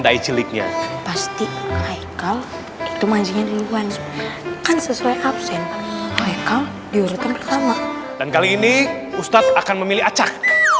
dae ciliknya pasti itu manjingan kan sesuai absen dan kali ini ustadz akan memilih acak